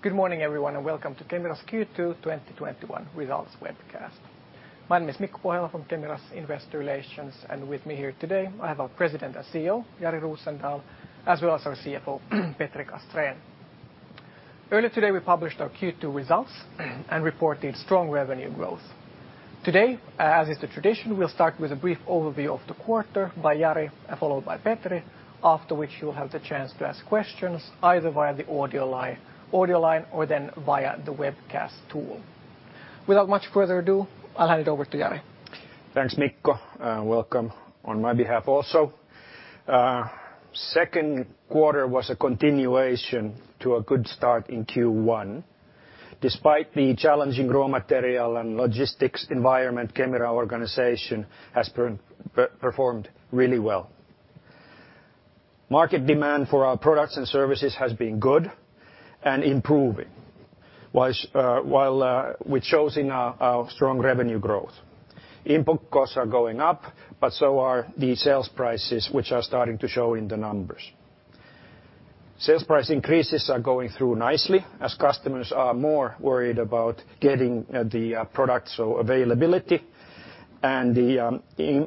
Good morning, everyone, and welcome to Kemira's Q2 2021 results webcast. My name is Mikko Pohjala from Kemira's investor relations, and with me here today I have our President and CEO, Jari Rosendal, as well as our CFO, Petri Castrén. Earlier today, we published our Q2 results and reported strong revenue growth. Today, as is the tradition, we'll start with a brief overview of the quarter by Jari, followed by Petri, after which you'll have the chance to ask questions either via the audio line or then via the webcast tool. Without much further ado, I'll hand it over to Jari. Thanks, Mikko. Welcome on my behalf also. Second quarter was a continuation to a good start in Q1. Despite the challenging raw material and logistics environment, Kemira organization has performed really well. Market demand for our products and services has been good and improving, which shows in our strong revenue growth. Input costs are going up, so are the sales prices, which are starting to show in the numbers. Sales price increases are going through nicely as customers are more worried about getting the products availability and the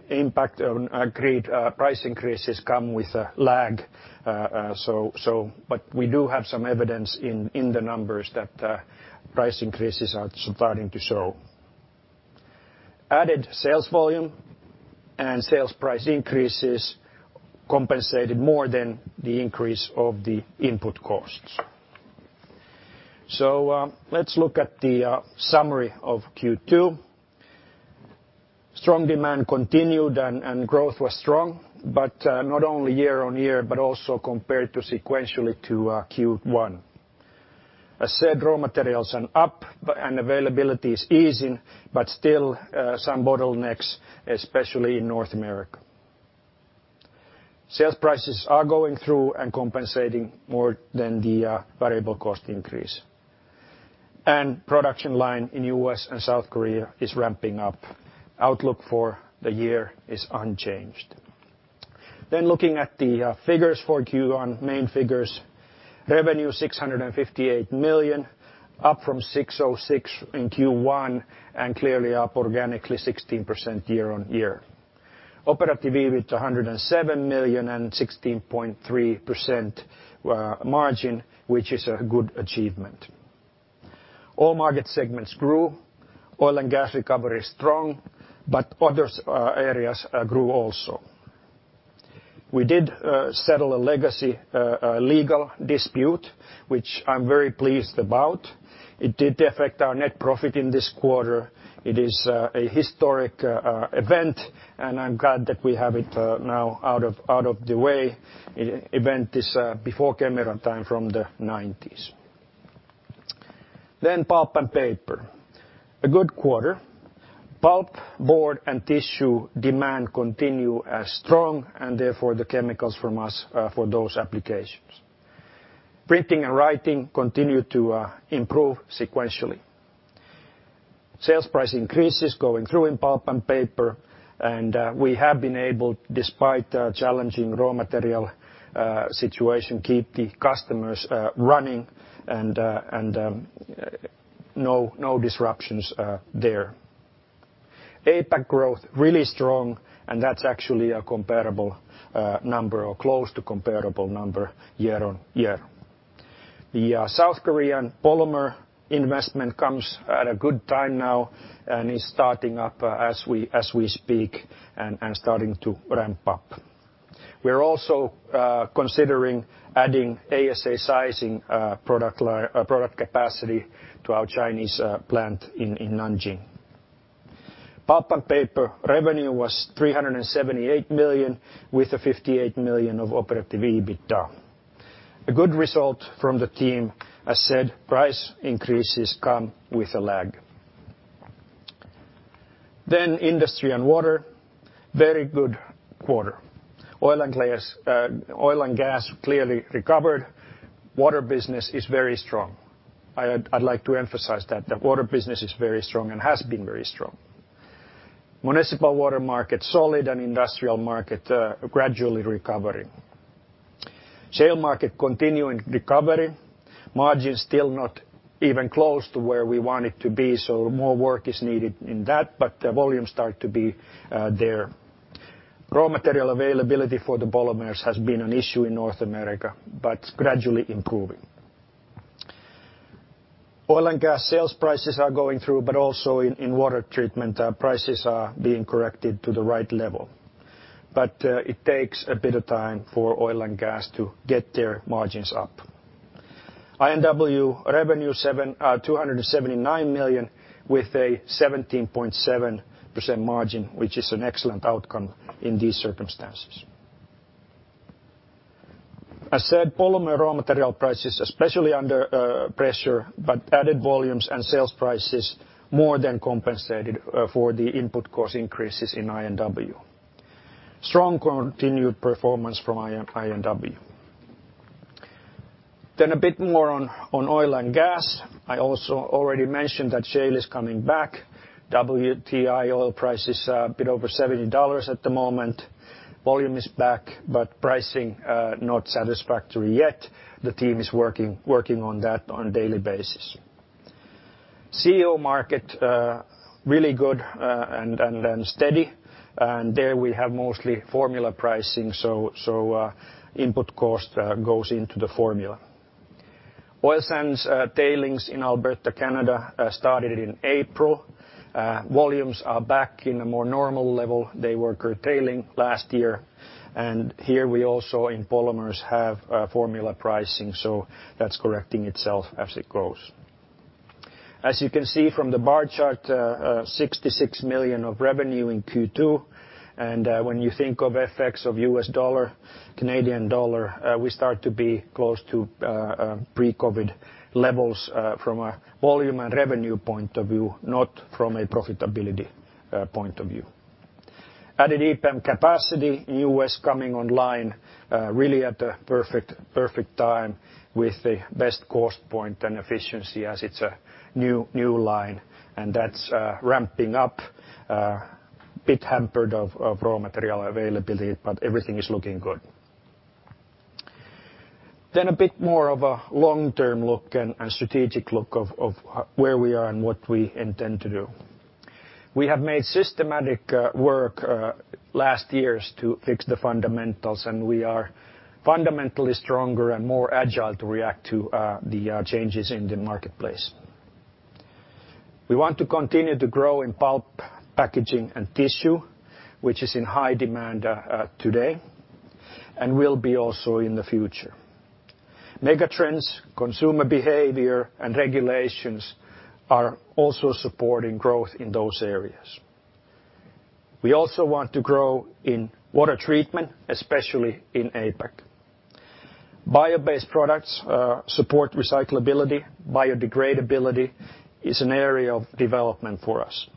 impact on great price increases come with a lag, but we do have some evidence in the numbers that price increases are starting to show. Added sales volume and sales price increases compensated more than the increase of the input costs. Let's look at the summary of Q2. Strong demand continued and growth was strong, but not only year-over-year, but also compared to sequentially to Q1. As said, raw materials are up and availability is easing, but still some bottlenecks, especially in North America. Sales prices are going through and compensating more than the variable cost increase. Production line in U.S. and South Korea is ramping up. Outlook for the year is unchanged. Looking at the figures for Q1, main figures, revenue 658 million, up from 606 in Q1 and clearly up organically 16% year-over-year. Operative EBIT EUR 107 million and 16.3% margin, which is a good achievement. All market segments grew. Oil and gas recovery is strong, but others areas grew also. We did settle a legacy legal dispute, which I'm very pleased about. It did affect our net profit in this quarter. It is a historic event, and I'm glad that we have it now out of the way. Event is before Kemira time from the '90s. Pulp & Paper. A good quarter. Pulp, board, and tissue demand continue as strong, and therefore the chemicals from us for those applications. Printing and writing continue to improve sequentially. Sales price increases going through in pulp and paper, and we have been able, despite a challenging raw material situation, keep the customers running and no disruptions there. APAC growth, really strong, and that's actually a comparable number or close to comparable number year-on-year. The South Korean polymer investment comes at a good time now and is starting up as we speak and starting to ramp up. We're also considering adding ASA sizing product capacity to our Chinese plant in Nanjing. Pulp & Paper revenue was 378 million with 58 million of operative EBITDA. A good result from the team. As said, price increases come with a lag. Industry & Water, very good quarter. Oil and gas clearly recovered. Water business is very strong. I'd like to emphasize that the water business is very strong and has been very strong. Municipal water market solid and industrial market gradually recovering. Shale market continuing recovery. Margins still not even close to where we want it to be, so more work is needed in that, but the volume start to be there. Raw material availability for the polymers has been an issue in North America, but gradually improving. Oil and gas sales prices are going through, but also in water treatment prices are being corrected to the right level. It takes a bit of time for oil and gas to get their margins up. I&W revenue 279 million with a 17.7% margin, which is an excellent outcome in these circumstances. As said, polymer raw material prices especially under pressure, added volumes and sales prices more than compensated for the input cost increases in I&W. Strong continued performance from I&W. A bit more on oil and gas. I also already mentioned that shale is coming back. WTI oil price is a bit over $70 at the moment. Volume is back, pricing not satisfactory yet. The team is working on that on daily basis. CEOR market, really good and then steady. There we have mostly formula pricing, so input cost goes into the formula. Oil sands tailings in Alberta, Canada started in April. Volumes are back in a more normal level. They were curtailing last year. Here we also, in polymers, have formula pricing. That's correcting itself as it grows. As you can see from the bar chart, 66 million of revenue in Q2. When you think of effects of US dollar, Canadian dollar, we start to be close to pre-COVID levels from a volume and revenue point of view, not from a profitability point of view. Added EPM capacity in U.S. coming online really at the perfect time with the best cost point and efficiency as it's a new line and that's ramping up, a bit hampered of raw material availability. Everything is looking good. A bit more of a long-term look and strategic look of where we are and what we intend to do. We have made systematic work last years to fix the fundamentals, and we are fundamentally stronger and more agile to react to the changes in the marketplace. We want to continue to grow in pulp, packaging, and tissue, which is in high demand today and will be also in the future. Megatrends, consumer behavior, and regulations are also supporting growth in those areas. We also want to grow in water treatment, especially in APAC. Bio-based products support recyclability. Biodegradability is an area of development for us.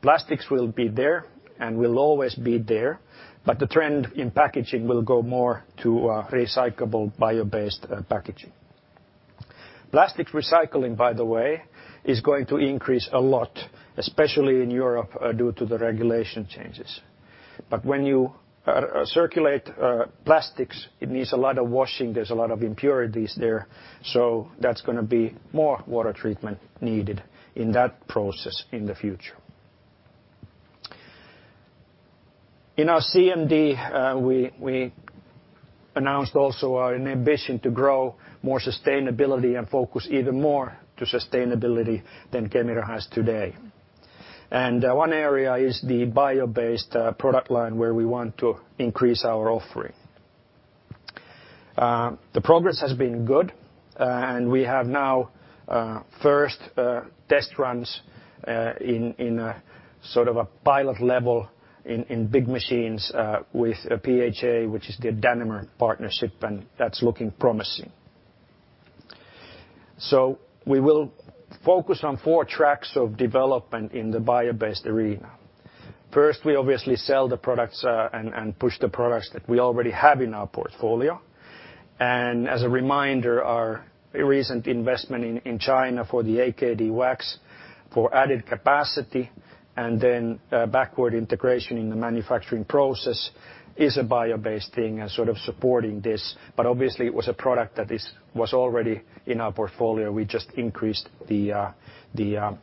Plastics will be there and will always be there, but the trend in packaging will go more to recyclable bio-based packaging. Plastic recycling, by the way, is going to increase a lot, especially in Europe, due to the regulation changes. But when you circulate plastics, it needs a lot of washing. There's a lot of impurities there. That's going to be more water treatment needed in that process in the future. In our CMD, we announced also our ambition to grow more sustainability and focus even more to sustainability than Kemira has today. One area is the bio-based product line where we want to increase our offering. The progress has been good, and we have now first test runs in a sort of a pilot level in big machines with PHA, which is the Danimer partnership, and that's looking promising. We will focus on four tracks of development in the bio-based arena. First, we obviously sell the products and push the products that we already have in our portfolio. As a reminder, our recent investment in China for the AKD wax for added capacity and then backward integration in the manufacturing process is a bio-based thing and sort of supporting this. Obviously, it was a product that was already in our portfolio. We just increased the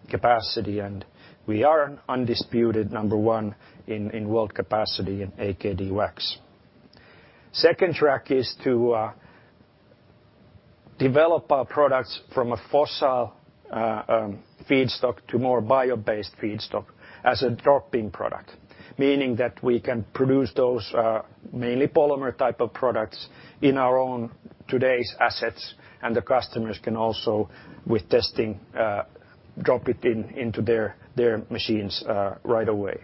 capacity, and we are undisputed number one in world capacity in AKD wax. Second track is to develop our products from a fossil feedstock to more bio-based feedstock as a drop-in product, meaning that we can produce those mainly polymer type of products in our own today's assets, and the customers can also, with testing, drop it into their machines right away.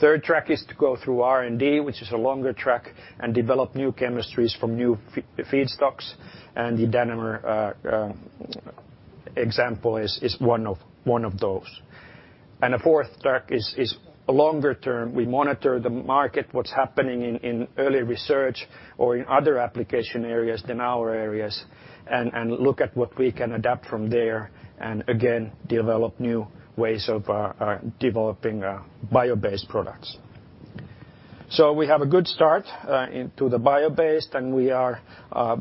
Third track is to go through R&D, which is a longer track, and develop new chemistries from new feedstocks. The Danimer example is one of those. A fourth track is longer term. We monitor the market, what's happening in early research or in other application areas than our areas, and look at what we can adapt from there, and again, develop new ways of developing bio-based products. We have a good start into the bio-based, and we are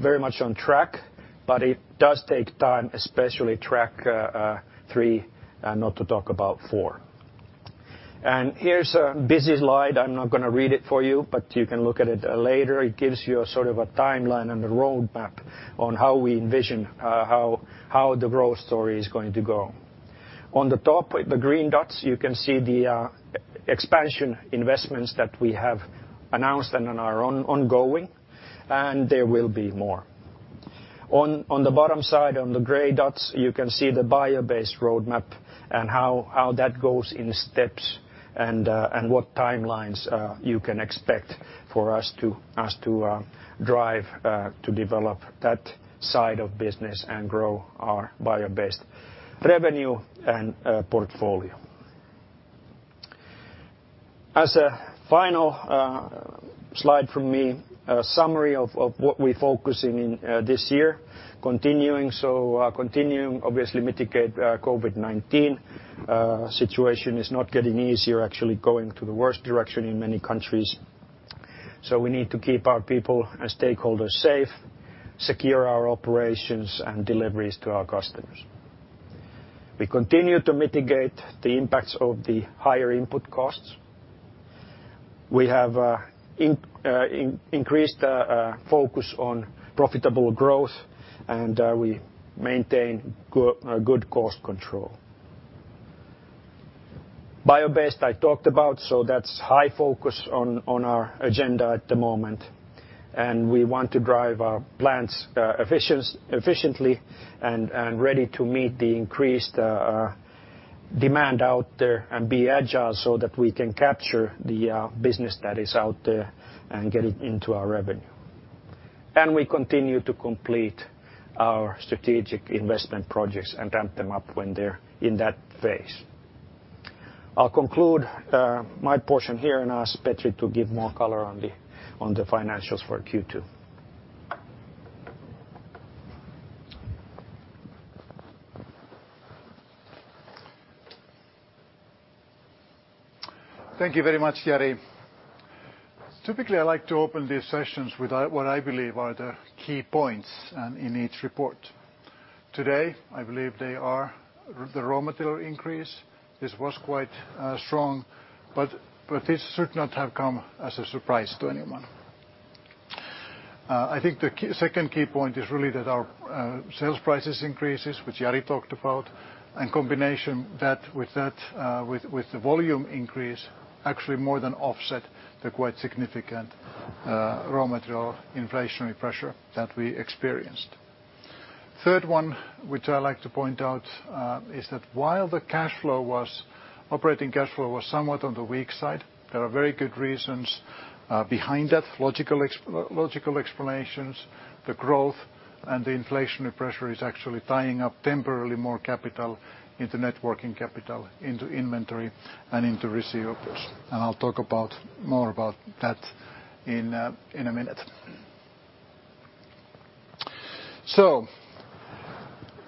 very much on track, but it does take time, especially Track 3, not to talk about 4. Here is a busy slide. I am not going to read it for you, but you can look at it later. It gives you a sort of a timeline and a roadmap on how we envision how the growth story is going to go. On the top, the green dots, you can see the expansion investments that we have announced and are ongoing, and there will be more. On the bottom side, on the gray dots, you can see the bio-based roadmap and how that goes in steps and what timelines you can expect for us to drive to develop that side of business and grow our bio-based revenue and portfolio. As a final slide from me, a summary of what we're focusing in this year. Obviously mitigate COVID-19. Situation is not getting easier, actually going to the worst direction in many countries. We need to keep our people and stakeholders safe, secure our operations and deliveries to our customers. We continue to mitigate the impacts of the higher input costs. We have increased focus on profitable growth, we maintain good cost control. Biobased I talked about, that's high focus on our agenda at the moment. We want to drive our plants efficiently and ready to meet the increased demand out there and be agile so that we can capture the business that is out there and get it into our revenue. We continue to complete our strategic investment projects and ramp them up when they're in that phase. I'll conclude my portion here and ask Petri to give more color on the financials for Q2. Thank you very much, Jari. Typically, I like to open these sessions with what I believe are the key points in each report. Today, I believe they are the raw material increase. This was quite strong, but this should not have come as a surprise to anyone. I think the second key point is really that our sales prices increases, which Jari talked about, and combination with the volume increase, actually more than offset the quite significant raw material inflationary pressure that we experienced. Third one, which I like to point out, is that while the operating cash flow was somewhat on the weak side, there are very good reasons behind that, logical explanations. The growth and the inflationary pressure is actually tying up temporarily more capital into net working capital, into inventory and into receivables. I'll talk more about that in a minute.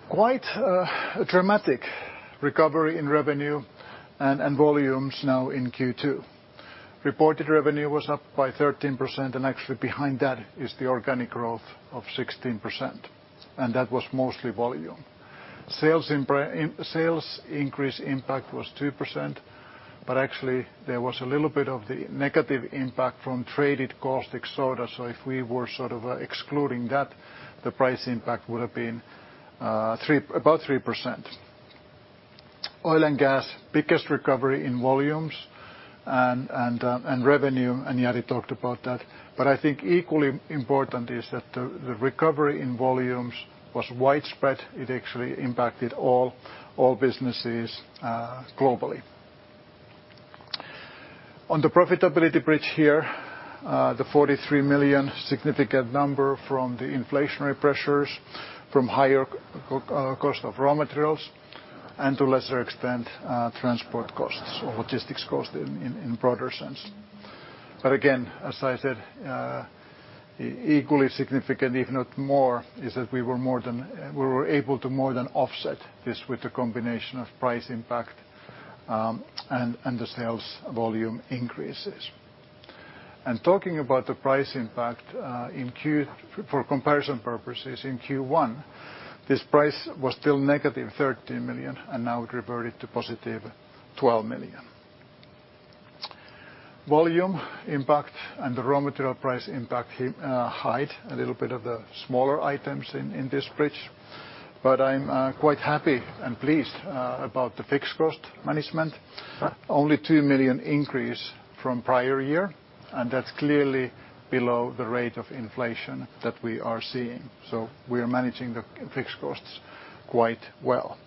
Quite a dramatic recovery in revenue and volumes now in Q2. Reported revenue was up by 13%, actually behind that is the organic growth of 16%, and that was mostly volume. Sales increase impact was 2%, actually there was a little bit of the negative impact from traded caustic soda. If we were sort of excluding that, the price impact would have been about 3%. Oil and Gas, biggest recovery in volumes and revenue, Jari talked about that. I think equally important is that the recovery in volumes was widespread. It actually impacted all businesses globally. On the profitability bridge here, the 43 million significant number from the inflationary pressures, from higher cost of raw materials, and to a lesser extent, transport costs or logistics cost in broader sense. Again, as I said, equally significant, if not more, is that we were able to more than offset this with the combination of price impact and the sales volume increases. Talking about the price impact for comparison purposes, in Q1, this price was still negative 13 million, and now it reverted to positive 12 million. Volume impact and the raw material price impact hide a little bit of the smaller items in this bridge. I'm quite happy and pleased about the fixed cost management. Only 2 million increase from prior year, that's clearly below the rate of inflation that we are seeing. We are managing the fixed costs quite well.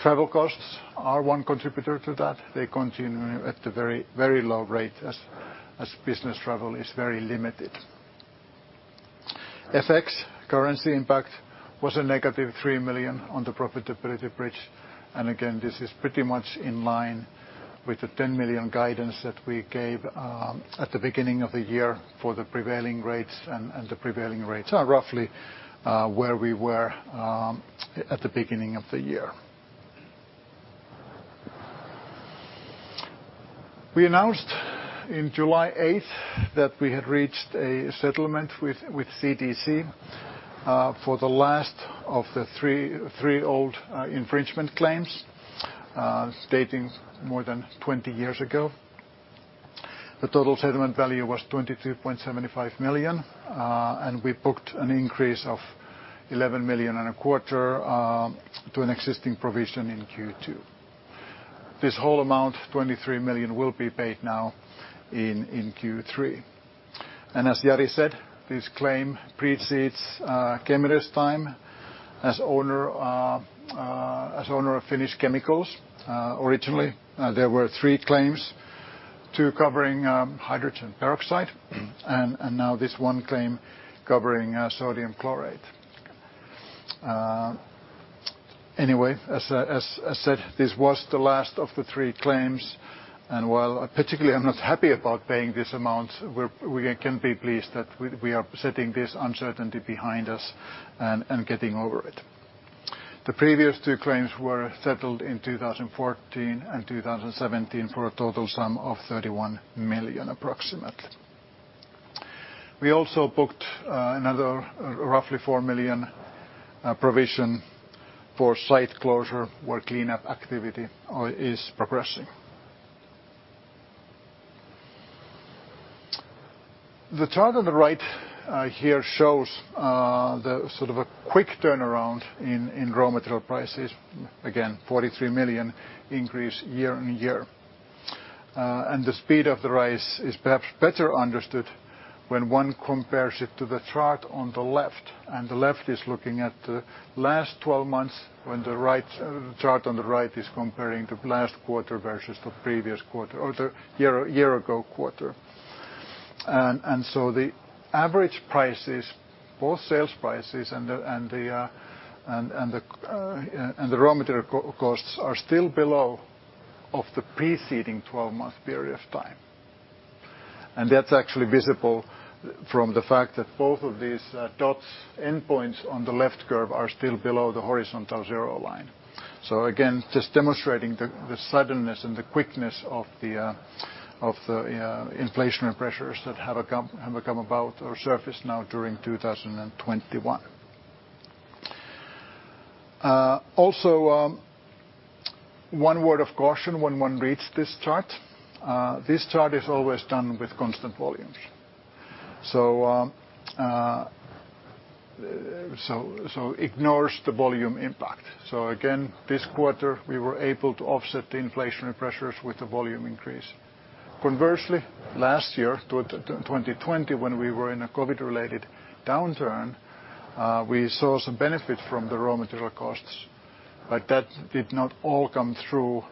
Travel costs are one contributor to that. They continue at a very low rate as business travel is very limited. FX currency impact was a negative 3 million on the profitability bridge. Again, this is pretty much in line with the 10 million guidance that we gave at the beginning of the year for the prevailing rates, and the prevailing rates are roughly where we were at the beginning of the year. We announced in July 8 that we had reached a settlement with CDC for the last of the three old infringement claims dating more than 20 years ago. The total settlement value was 22.75 million, and we booked an increase of 11.25 million to an existing provision in Q2. This whole amount, 23 million, will be paid now in Q3. As Jari said, this claim precedes Kemira's time as owner of Finnish Chemicals. Originally, there were three claims, two covering hydrogen peroxide, and now this one claim covering sodium chlorate. Anyway, as I said, this was the last of the three claims, and while particularly I'm not happy about paying this amount, we can be pleased that we are setting this uncertainty behind us and getting over it. The previous two claims were settled in 2014 and 2017 for a total sum of 31 million approximately. We also booked another roughly 4 million provision for site closure where cleanup activity is progressing. The chart on the right here shows the sort of a quick turnaround in raw material prices, again, 43 million increase year-on-year. The speed of the rise is perhaps better understood when one compares it to the chart on the left, and the left is looking at the last 12 months when the chart on the right is comparing the last quarter versus the previous quarter or the year ago quarter. The average prices, both sales prices and the raw material costs, are still below of the preceding 12-month period of time. That's actually visible from the fact that both of these dots, endpoints on the left curve are still below the horizontal zero line. Just demonstrating the suddenness and the quickness of the inflationary pressures that have come about or surfaced now during 2021. one word of caution when one reads this chart. This chart is always done with constant volumes. Ignores the volume impact. This quarter, we were able to offset the inflationary pressures with the volume increase. Conversely, last year, 2020, when we were in a COVID-related downturn, we saw some benefit from the raw material costs. That did not all come through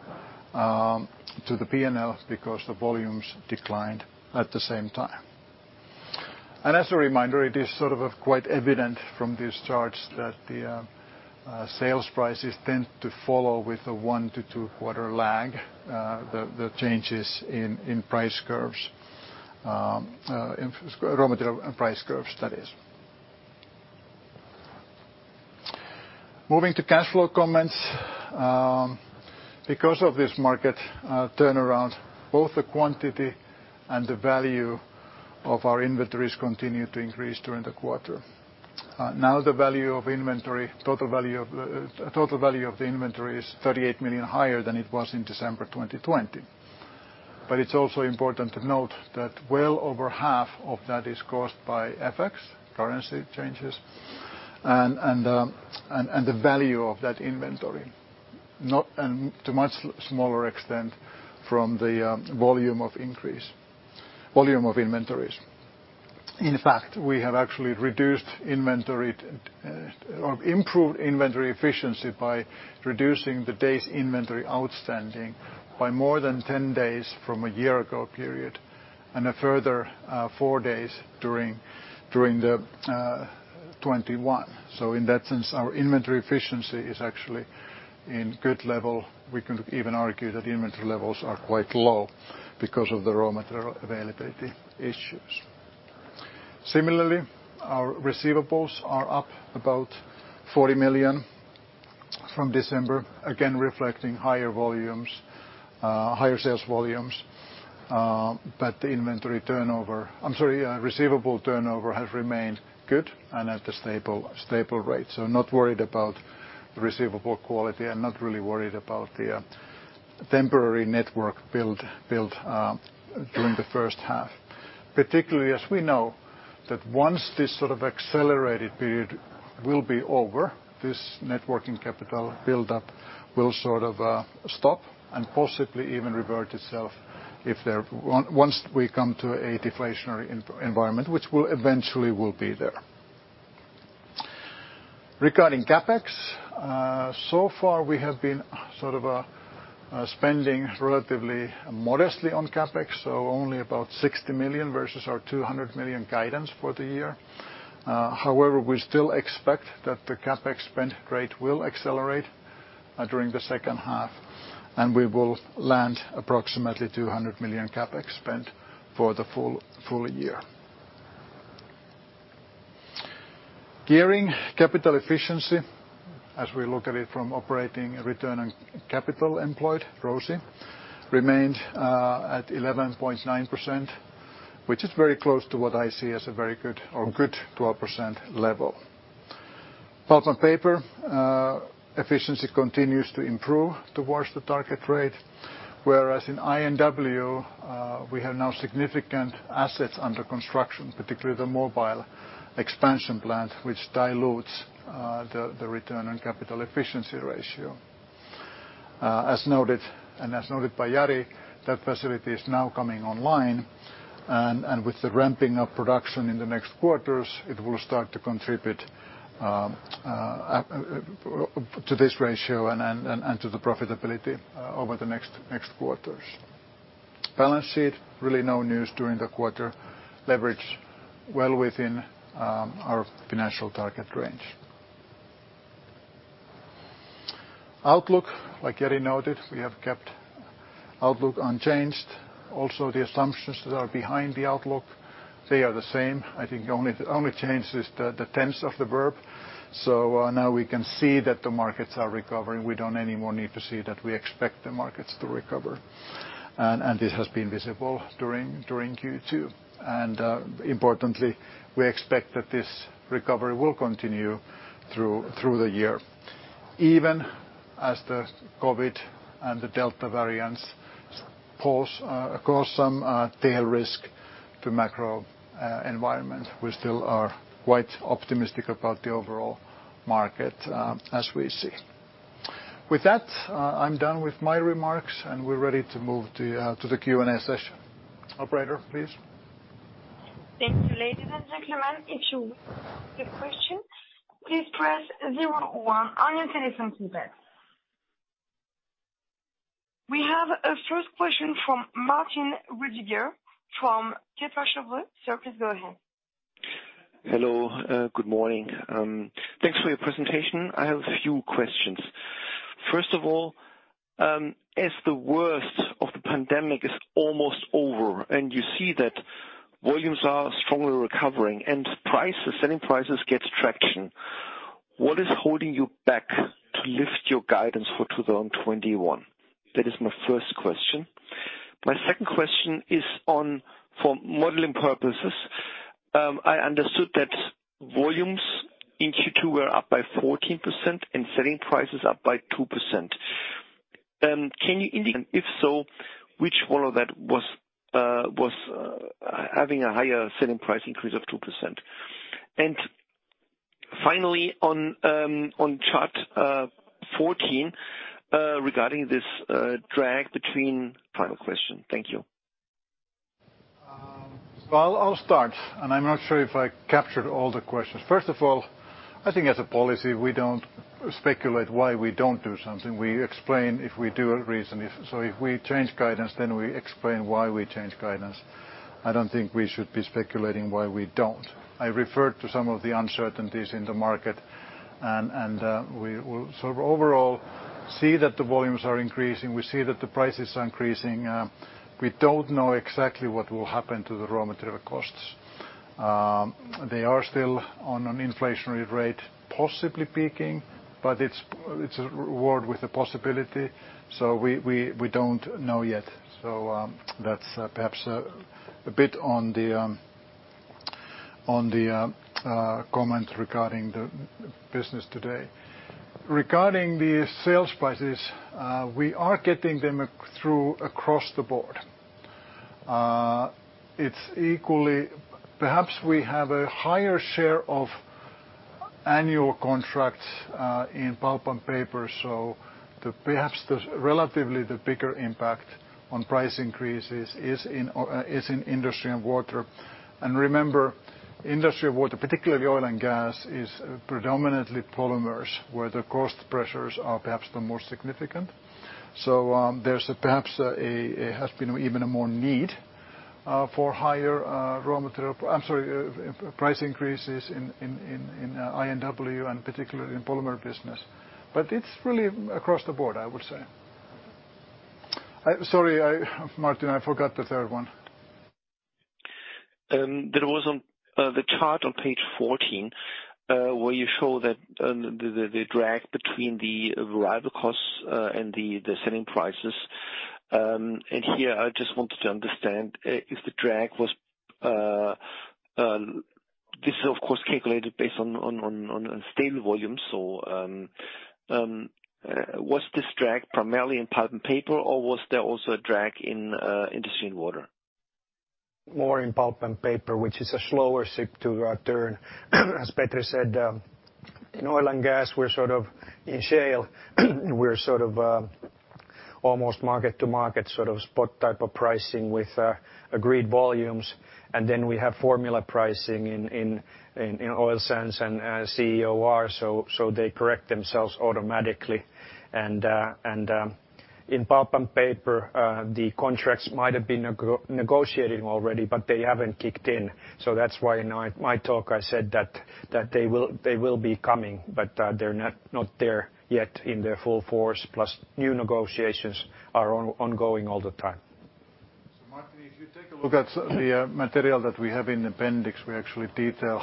to the P&L because the volumes declined at the same time. As a reminder, it is sort of quite evident from these charts that the sales prices tend to follow with a one to two quarter lag the changes in price curves, in raw material and price curves, that is. Moving to cash flow comments. Because of this market turnaround, both the quantity and the value of our inventories continued to increase during the quarter. The total value of the inventory is 38 million higher than it was in December 2020. It's also important to note that well over half of that is caused by FX, currency changes, and the value of that inventory. To much smaller extent from the volume of inventories. In fact, we have actually improved inventory efficiency by reducing the days inventory outstanding by more than 10 days from a year ago period, and a further four days during 2021. In that sense, our inventory efficiency is actually in good level. We can even argue that inventory levels are quite low because of the raw material availability issues. Similarly, our receivables are up about 40 million from December, again reflecting higher sales volumes. Receivable turnover has remained good and at a stable rate. Not worried about the receivable quality and not really worried about the temporary net working build during the first half. Particularly as we know that once this sort of accelerated period will be over, this net working capital buildup will sort of stop and possibly even revert itself once we come to a deflationary environment, which will eventually will be there. Regarding CapEx, so far we have been sort of spending relatively modestly on CapEx, only about 60 million versus our 200 million guidance for the year. However, we still expect that the CapEx spend rate will accelerate during the second half, and we will land approximately 200 million CapEx spend for the full year. Gearing, capital efficiency, as we look at it from operating return and capital employed, ROCE, remained at 11.9%, which is very close to what I see as a very good or good 12% level. Pulp & Paper efficiency continues to improve towards the target rate, whereas in I&W, we have now significant assets under construction, particularly the Mobile expansion plant, which dilutes the return on capital efficiency ratio. As noted by Jari, that facility is now coming online, and with the ramping up production in the next quarters, it will start to contribute to this ratio and to the profitability over the next quarters. Balance sheet, really no news during the quarter. Leverage well within our financial target range. Outlook, like Jari noted, we have kept outlook unchanged. The assumptions that are behind the outlook, they are the same. I think the only change is the tense of the verb. Now we can see that the markets are recovering. We don't anymore need to see that we expect the markets to recover. This has been visible during Q2. Importantly, we expect that this recovery will continue through the year, even as the COVID and the Delta variants cause some tail risk to macro environment. We still are quite optimistic about the overall market, as we see. With that, I'm done with my remarks, and we're ready to move to the Q&A session. Operator, please. Thank you, ladies and gentlemen. If you have questions, please press zero one on your telephone keypad. We have a first question from Martin Roediger from Kepler Cheuvreux. Sir, please go ahead. Hello, good morning. Thanks for your presentation. I have a few questions. First of all, as the worst of the pandemic is almost over, and you see that volumes are strongly recovering and selling prices gets traction, what is holding you back to lift your guidance for 2021? That is my first question. My second question is on, for modeling purposes, I understood that volumes in Q2 were up by 14% and selling prices up by 2%. Can you indicate, if so, which one of that was having a higher selling price increase of 2%? Finally, on chart 14 regarding this drag between-- Final question. Thank you. I'll start, and I'm not sure if I captured all the questions. First of all, I think as a policy, we don't speculate why we don't do something. We explain if we do a reason. If we change guidance, we explain why we change guidance. I don't think we should be speculating why we don't. I referred to some of the uncertainties in the market, and we will sort of overall see that the volumes are increasing. We see that the prices are increasing. We don't know exactly what will happen to the raw material costs. They are still on an inflationary rate, possibly peaking, but it's a word with a possibility, so we don't know yet. That's perhaps a bit on the comment regarding the business today. Regarding the sales prices, we are getting them through across the board. It's equally, perhaps we have a higher share of annual contracts in pulp and paper, perhaps the relatively bigger impact on price increases is in industry and water. Remember, Industry & Water, particularly oil and gas, is predominantly polymers, where the cost pressures are perhaps the more significant. There's perhaps has been even a more need for higher raw material, I'm sorry, price increases in I&W and particularly in polymer business. It's really across the board, I would say. Sorry, Martin, I forgot the third one. There was on the chart on page 14, where you show the drag between the rival costs and the selling prices. Here, I just wanted to understand. This is, of course, calculated based on stable volume. Was this drag primarily in pulp and paper, or was there also a drag in industry and water? More in pulp and paper, which is a slower ship to turn. As Petri said, in oil and gas, we're sort of in shale, we're sort of almost market-to-market, sort of spot type of pricing with agreed volumes. We have formula pricing in oil sands and CEOR, so they correct themselves automatically. In pulp and paper, the contracts might have been negotiated already, but they haven't kicked in. That's why in my talk, I said that they will be coming, but they're not there yet in their full force. New negotiations are ongoing all the time. Martin, if you take a look at the material that we have in appendix, we actually detail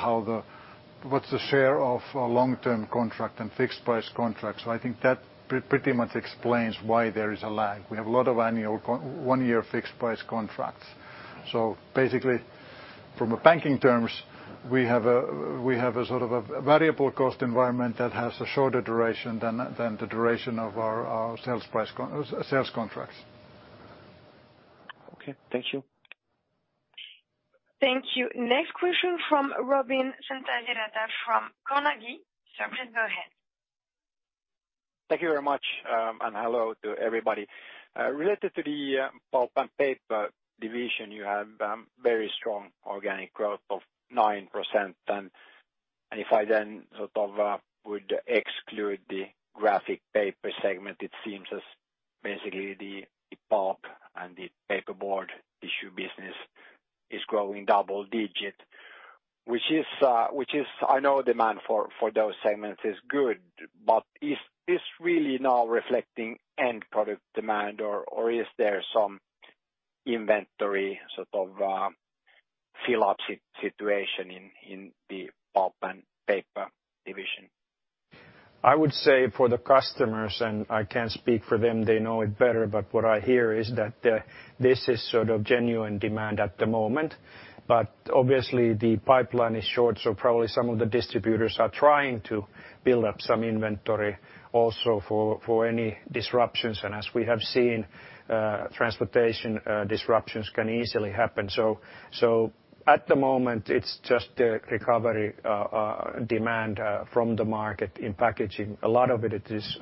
what's the share of long-term contract and fixed price contract. I think that pretty much explains why there is a lag. We have a lot of 1-year fixed price contracts. Basically, from a banking terms, we have a sort of a variable cost environment that has a shorter duration than the duration of our sales contracts. Okay. Thank you. Thank you. Next question from Robin Santavirta from Carnegie. Sir, please go ahead. Thank you very much, and hello to everybody. Related to the pulp and paper division, you have very strong organic growth of 9%. If I sort of would exclude the graphic paper segment, it seems as basically the pulp and the paper board business is growing double-digit. Which is, I know demand for those segments is good, but is this really now reflecting end product demand or is there some inventory sort of fill-up situation in the pulp and paper division? I would say for the customers, and I can't speak for them, they know it better, but what I hear is that this is sort of genuine demand at the moment. Obviously the pipeline is short, so probably some of the distributors are trying to build up some inventory also for any disruptions. As we have seen, transportation disruptions can easily happen. At the moment it's just the recovery demand from the market in packaging. A lot of it is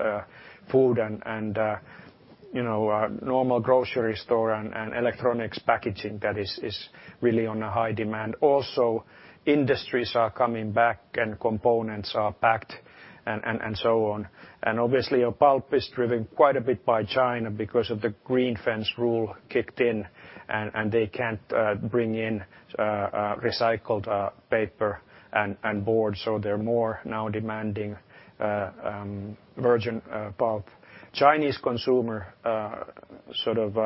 food and normal grocery store and electronics packaging that is really on a high demand. Also, industries are coming back and components are packed and so on. Obviously our pulp is driven quite a bit by China because of the Green Fence rule kicked in, and they can't bring in recycled paper and board, so they're more now demanding virgin pulp. Chinese consumer sort of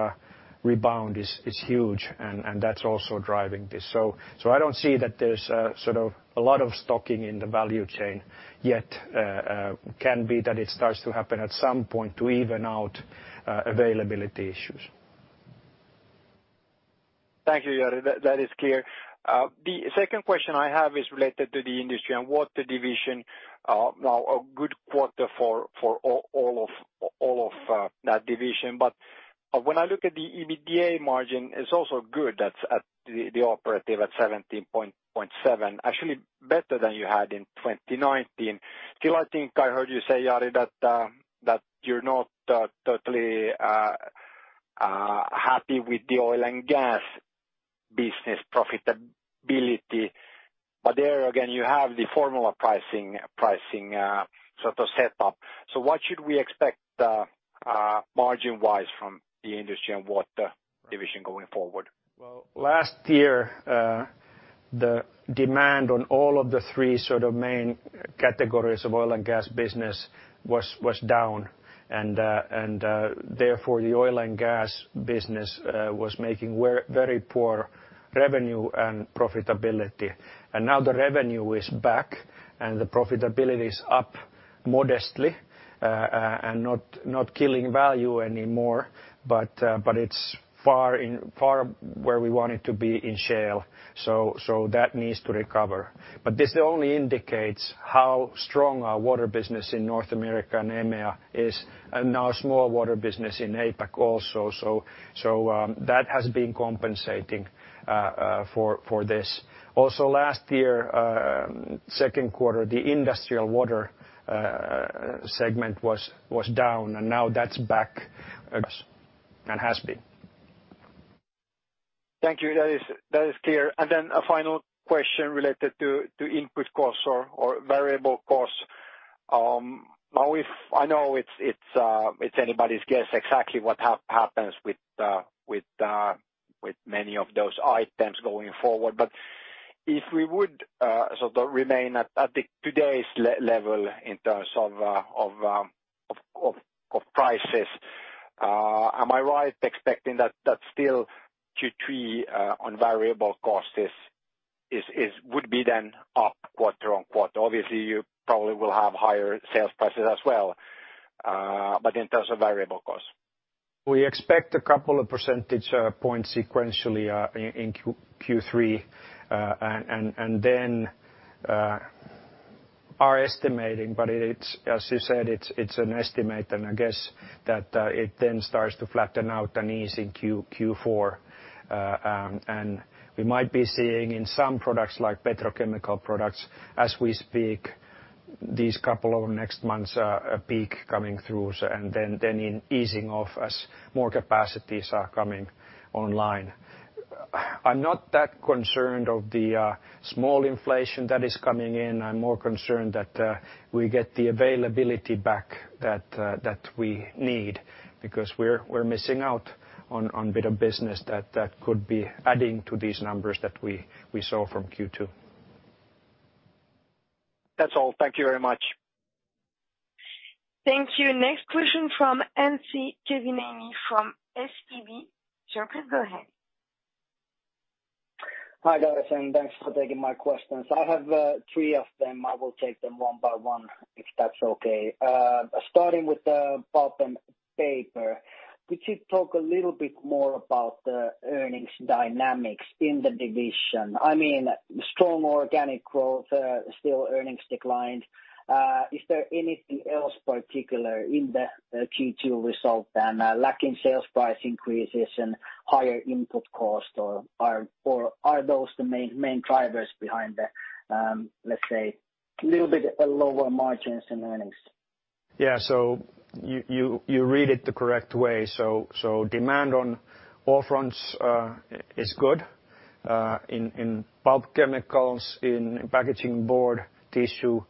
rebound is huge and that's also driving this. I don't see that there's a lot of stocking in the value chain yet. Can be that it starts to happen at some point to even out availability issues. Thank you, Jari. That is clear. The second question I have is related to the Industry & Water division. A good quarter for all of that division. When I look at the EBITDA margin, it's also good that the operative at 17.7%, actually better than you had in 2019. I think I heard you say, Jari, that you're not totally happy with the oil and gas business profitability. There again, you have the formula pricing sort of set up. What should we expect margin-wise from the Industry & Water division going forward? Well, last year, the demand on all of the three sort of main categories of oil and gas business was down, and therefore the oil and gas business was making very poor revenue and profitability. Now the revenue is back and the profitability is up modestly, and not killing value anymore, but it's far where we want it to be in shale. That needs to recover. This only indicates how strong our water business in North America and EMEA is, and now a small water business in APAC also. That has been compensating for this. Also last year, second quarter, the Industry & Water segment was down, and now that's back and has been. Thank you. That is clear. Then a final question related to input costs or variable costs. Now, I know it's anybody's guess exactly what happens with many of those items going forward. If we would sort of remain at the today's level in terms of prices, am I right expecting that still Q3 on variable costs would be then up quarter on quarter? Obviously, you probably will have higher sales prices as well. In terms of variable costs. We expect a couple of percentage points sequentially in Q3. Then are estimating, but as you said, it's an estimate and a guess that it then starts to flatten out and ease in Q4. We might be seeing in some products like petrochemical products as we speak these couple of next months a peak coming through and then an easing off as more capacities are coming online. I'm not that concerned of the small inflation that is coming in. I'm more concerned that we get the availability back that we need because we're missing out on a bit of business that could be adding to these numbers that we saw from Q2. That's all. Thank you very much. Thank you. Next question from Anssi Kiviniemi from SEB. Sir, please go ahead. Hi guys, thanks for taking my questions. I have three of them. I will take them one by one if that's okay. Starting with the pulp and paper, could you talk a little bit more about the earnings dynamics in the division? I mean, strong organic growth, still earnings declined. Is there anything else particular in the Q2 result than lacking sales price increases and higher input costs? Are those the main drivers behind the, let's say, little bit lower margins and earnings? Yeah. You read it the correct way. Demand on all fronts is good. In pulp chemicals, in packaging board tissue,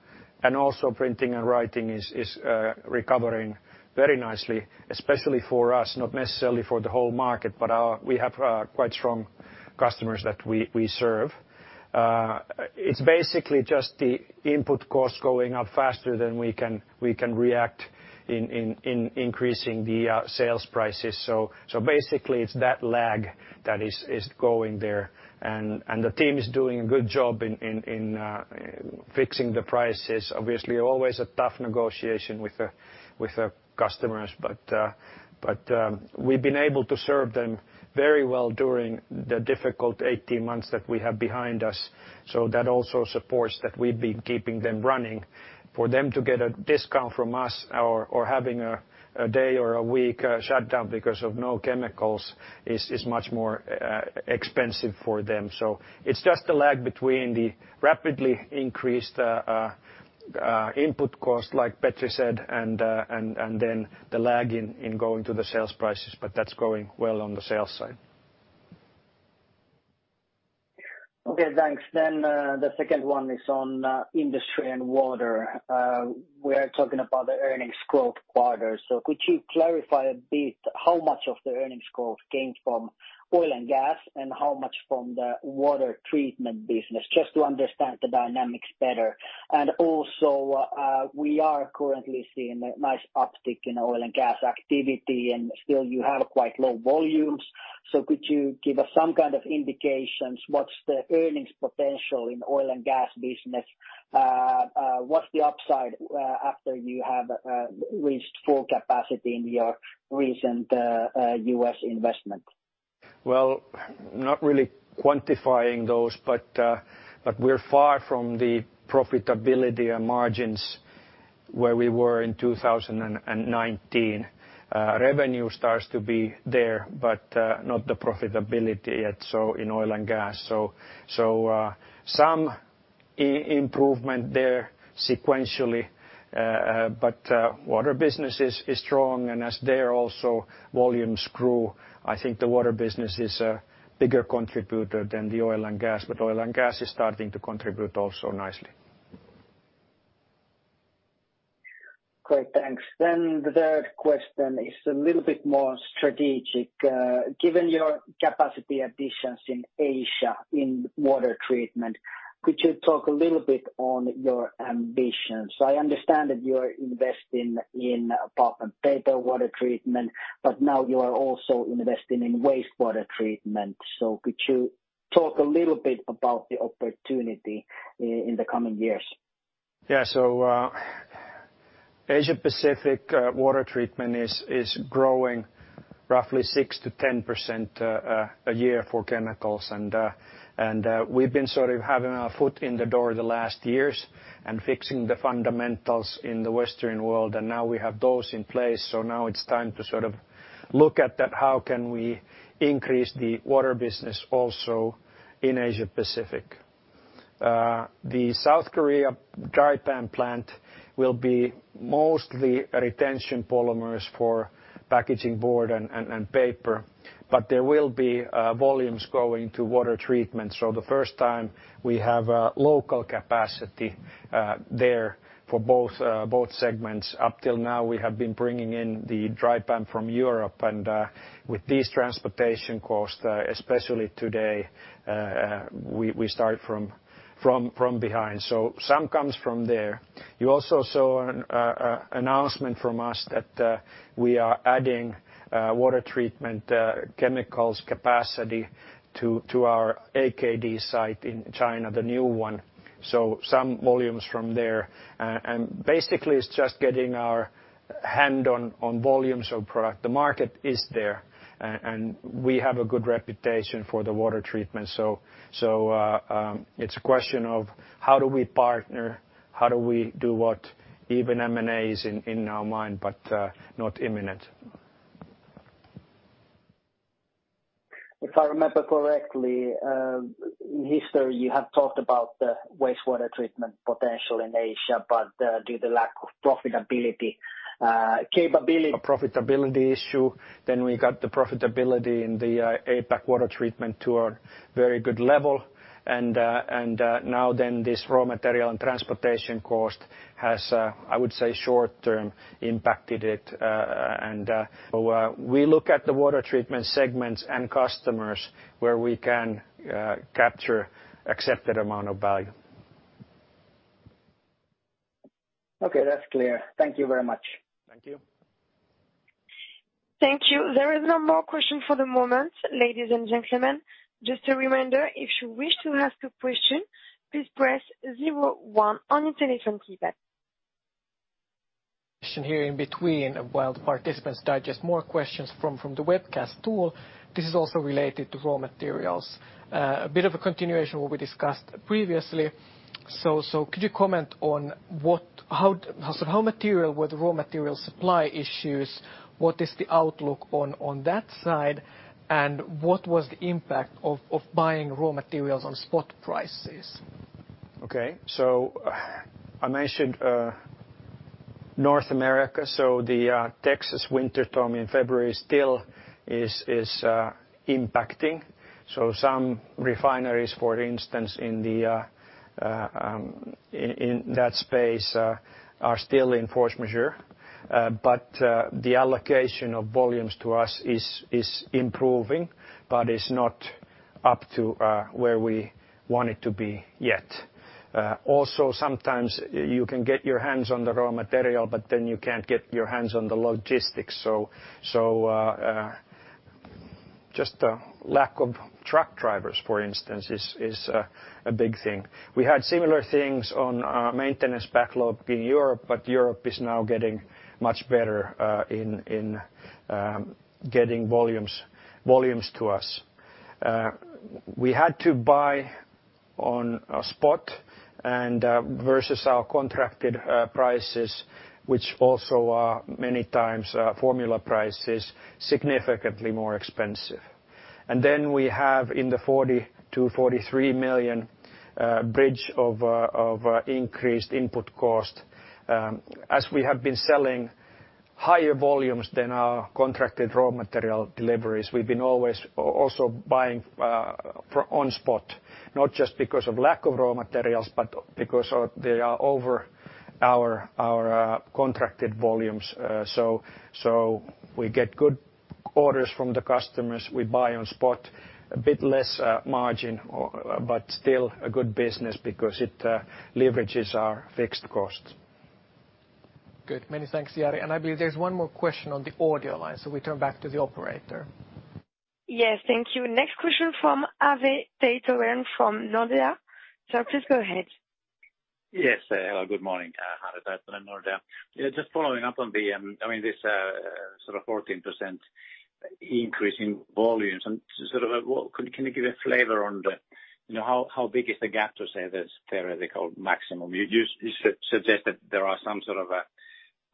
and also printing and writing is recovering very nicely, especially for us, not necessarily for the whole market, but we have quite strong customers that we serve. It's basically just the input cost going up faster than we can react in increasing the sales prices. Basically, it's that lag that is going there. The team is doing a good job in fixing the prices. Obviously, always a tough negotiation with the customers, but we've been able to serve them very well during the difficult 18 months that we have behind us. That also supports that we've been keeping them running. For them to get a discount from us or having a day or a week shutdown because of no chemicals is much more expensive for them. It's just the lag between the rapidly increased input cost, like Petri said, and then the lag in going to the sales prices, but that's going well on the sales side. Okay, thanks. The second one is on industry and water. We are talking about the earnings growth quarter. Could you clarify a bit how much of the earnings growth came from oil and gas and how much from the water treatment business, just to understand the dynamics better? We are currently seeing a nice uptick in oil and gas activity, and still you have quite low volumes. Could you give us some kind of indications? What's the earnings potential in oil and gas business? What's the upside after you have reached full capacity in your recent U.S. investment? Not really quantifying those, but we're far from the profitability and margins where we were in 2019. Revenue starts to be there, but not the profitability yet, so in oil and gas. Some improvement there sequentially, but water business is strong. As there also volumes grow, I think the water business is a bigger contributor than the oil and gas, but oil and gas is starting to contribute also nicely. Great, thanks. The third question is a little bit more strategic. Given your capacity additions in Asia in water treatment, could you talk a little bit on your ambitions? I understand that you are investing in pulp and paper water treatment, but now you are also investing in wastewater treatment. Could you talk a little bit about the opportunity in the coming years? Yeah. Asia Pacific water treatment is growing roughly 6%-10% a year for chemicals, and we've been sort of having our foot in the door the last years and fixing the fundamentals in the Western world, and now we have those in place. Now it's time to sort of look at that, how can we increase the water business also in Asia Pacific? The South Korea dry PAM plant will be mostly retention polymers for packaging board and paper, but there will be volumes going to water treatment. The first time we have a local capacity there for both segments. Up till now, we have been bringing in the dry PAM from Europe, and with these transportation costs, especially today, we start from behind. Some comes from there. You also saw an announcement from us that we are adding water treatment chemicals capacity to our AKD site in China, the new one. Some volumes from there. Basically, it's just getting our hand on volumes of product. The market is there, and we have a good reputation for the water treatment. It's a question of how do we partner? How do we do what? Even M&A is in our mind, but not imminent. If I remember correctly, in history, you have talked about the wastewater treatment potential in Asia, but due to lack of profitability capability- A profitability issue, then we got the profitability in the APAC water treatment to a very good level. Now then this raw material and transportation cost has, I would say, short-term impacted it. We look at the water treatment segments and customers where we can capture accepted amount of value. Okay, that's clear. Thank you very much. Thank you. Thank you. There is no more question for the moment, ladies and gentlemen. Just a reminder, if you wish to ask a question, please press zero one on your telephone keypad. Here in between, while the participants digest more questions from the webcast tool, this is also related to raw materials. A bit of a continuation of what we discussed previously. Could you comment on how material were the raw material supply issues? What is the outlook on that side? What was the impact of buying raw materials on spot prices? I mentioned North America. The Texas winter storm in February still is impacting. Some refineries, for instance, in that space are still in force majeure. The allocation of volumes to us is improving, but it's not up to where we want it to be yet. Sometimes you can get your hands on the raw material, but then you can't get your hands on the logistics. Just a lack of truck drivers, for instance, is a big thing. We had similar things on our maintenance backlog in Europe, but Europe is now getting much better in getting volumes to us. We had to buy on spot versus our contracted prices, which also are many times formula prices, significantly more expensive. We have in the 42 million-43 million bridge of increased input cost. As we have been selling higher volumes than our contracted raw material deliveries, we've been always also buying on spot, not just because of lack of raw materials, but because they are over our contracted volumes. We get good orders from the customers. We buy on spot a bit less margin, but still a good business because it leverages our fixed costs. Good. Many thanks, Jari. I believe there's one more question on the audio line, so we turn back to the operator. Yes, thank you. Next question from Harri Taittonen from Nordea. Sir, please go ahead. Yes. Hello, good morning. Harri Taittonen, Nordea. Just following up on the sort of 14% increase in volumes and can you give a flavor on how big is the gap to say this theoretical maximum? You suggest that there are some sort of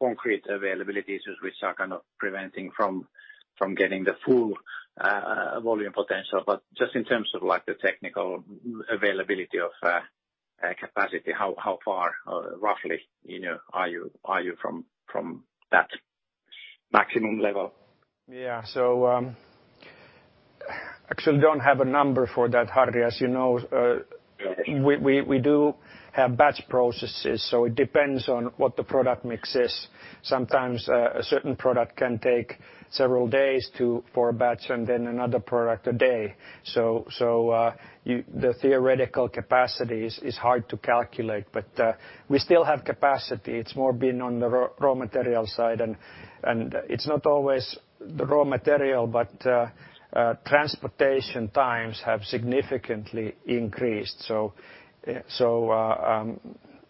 concrete availability issues which are kind of preventing from getting the full volume potential. But just in terms of the technical availability of capacity, how far roughly are you from that maximum level? Actually don't have a number for that, Harri. As you know we do have batch processes, so it depends on what the product mix is. Sometimes a certain product can take several days for a batch and then another product a day. The theoretical capacity is hard to calculate, but we still have capacity. It's more been on the raw material side and it's not always the raw material, but transportation times have significantly increased.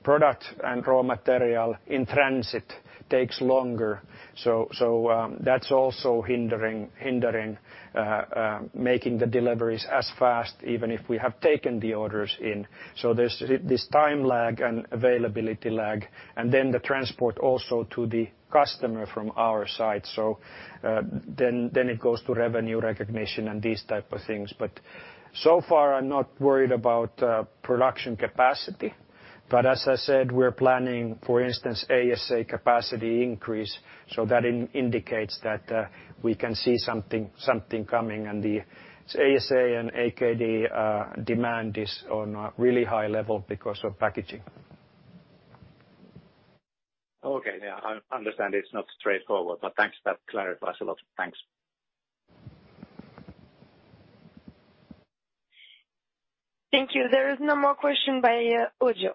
Product and raw material in transit takes longer. That's also hindering making the deliveries as fast, even if we have taken the orders in. There's this time lag and availability lag and then the transport also to the customer from our side. Then it goes to revenue recognition and these type of things. So far I'm not worried about production capacity, but as I said, we're planning, for instance, ASA capacity increase, so that indicates that we can see something coming and the ASA and AKD demand is on a really high level because of packaging. Okay. Yeah, I understand it's not straightforward, but thanks. That clarifies a lot. Thanks. Thank you. There is no more question by audio.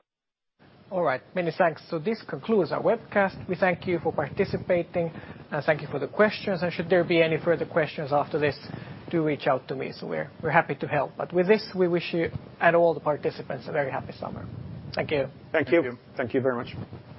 All right. Many thanks. This concludes our webcast. We thank you for participating and thank you for the questions. Should there be any further questions after this, do reach out to me. We're happy to help. With this, we wish you and all the participants a very happy summer. Thank you. Thank you. Thank you. Thank you very much.